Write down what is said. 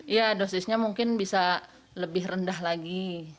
iya dosisnya mungkin bisa lebih rendah lagi